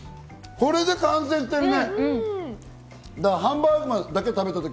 これで完成してるね。